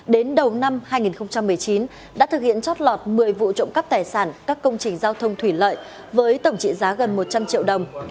đến đầu năm hai nghìn một mươi chín đã thực hiện chót lọt một mươi vụ trộm cắp tài sản các công trình giao thông thủy lợi với tổng trị giá gần một trăm linh triệu đồng